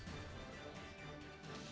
pernah mengajar quasi lambis key on you via